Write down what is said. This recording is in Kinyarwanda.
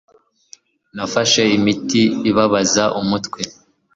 Nafashe imiti ibabaza umutwe.